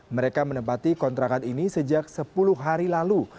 mereka menempati kontrakan ini sejak sepuluh hari lalu